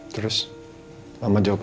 terus mama jawab apa